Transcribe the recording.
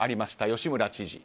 吉村知事。